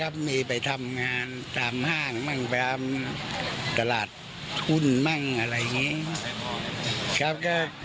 เอ้อไม่ให้ผสดงบราคทุกวันละครับ